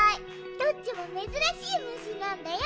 どっちもめずらしいむしなんだよ。